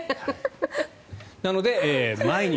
なので、毎日。